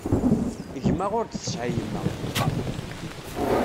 Gma ur d-tesɛi yemma.